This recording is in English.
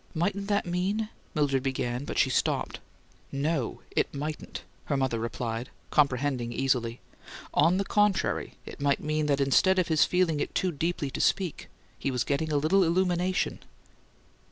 "Mightn't that mean ?" Mildred began, but she stopped. "No, it mightn't," her mother replied, comprehending easily. "On the contrary, it might mean that instead of his feeling it too deeply to speak, he was getting a little illumination."